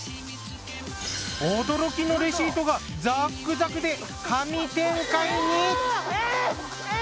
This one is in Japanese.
驚きのレシートがザックザクで神展開に！